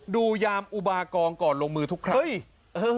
ยามอุบากองก่อนลงมือทุกครั้งเฮ้ย